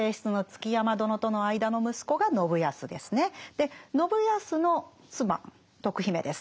で信康の妻徳姫です。